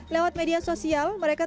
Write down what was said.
lewat media sosial mereka tergerak ke kota